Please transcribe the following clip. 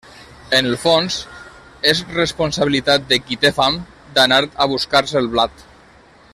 En el fons, és responsabilitat de qui té fam d'anar a buscar-se el blat.